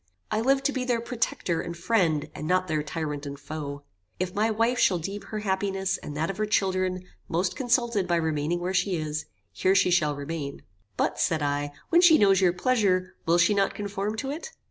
I live to be their protector and friend, and not their tyrant and foe. If my wife shall deem her happiness, and that of her children, most consulted by remaining where she is, here she shall remain." "But," said I, "when she knows your pleasure, will she not conform to it?"